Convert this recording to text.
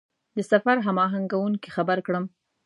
د سفر هماهنګ کوونکي خبر کړم.